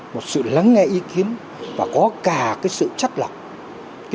một sự lắng nghe ý kiến và có cả cái sự chất lọc